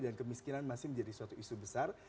dan kemiskinan masih menjadi suatu isu besar